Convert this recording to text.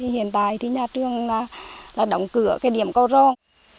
hiện tại thì nhà trường là đóng cửa cái điểm cầu ròn